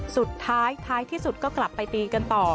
สุดท้ายท้ายที่สุดก็กลับไปตีกันต่อ